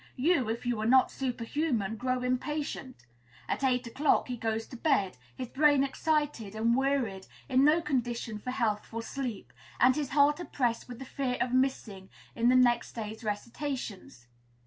You, if you are not superhuman, grow impatient. At eight o'clock he goes to bed, his brain excited and wearied, in no condition for healthful sleep; and his heart oppressed with the fear of "missing" in the next day's recitations.